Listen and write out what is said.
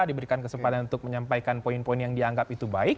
diberikan kesempatan untuk menyampaikan poin poin yang dianggap itu baik